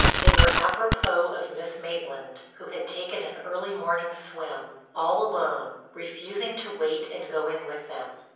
They were apropos of Miss Maitland, who had taken an early morning swim, all alone, refusing to wait and go in with them.